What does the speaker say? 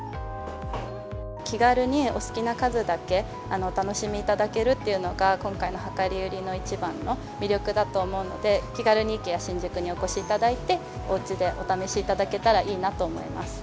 気軽にお好きな数だけお楽しみいただけるというのが、今回の量り売りの一番の魅力だと思うので、気軽にＩＫＥＡ新宿にお越しいただいて、おうちでお試しいただけ